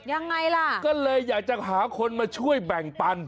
ยังไงล่ะก็เลยอยากจะหาคนมาช่วยแบ่งปัน